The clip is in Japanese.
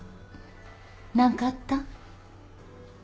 何かあった？